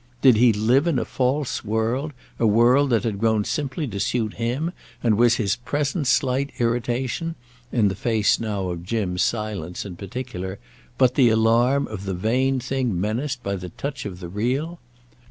Did he live in a false world, a world that had grown simply to suit him, and was his present slight irritation—in the face now of Jim's silence in particular—but the alarm of the vain thing menaced by the touch of the real?